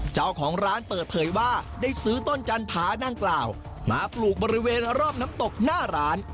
เจ้าของร้านเปิดเผยว่าได้ซื้อต้นจันผานั่งกล่าวมาปลูกบริเวณรอบน้ำตกหน้าร้าน